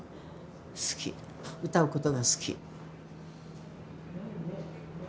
歌うことが好き。